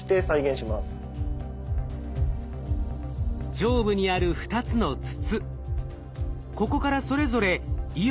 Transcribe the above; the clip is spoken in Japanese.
上部にある２つの筒。